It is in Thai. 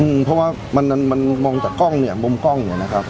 อืมเพราะว่ามันมันมองจากกล้องเนี่ยมุมกล้องเนี่ยนะครับ